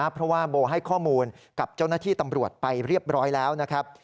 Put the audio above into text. เพราะว่าโบให้ข้อมูลกับเจ้าหน้าที่ตำรวจไปเรียบร้อยแล้วนะครับ